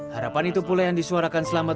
harapan itu pula yang disuarakan selama ini